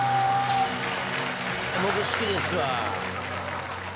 僕好きですわ。